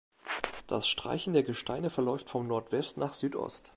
Das Streichen der Gesteine verläuft von Nordwest nach Südost.